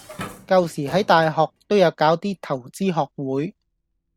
舊時喺大學都有搞啲投資學會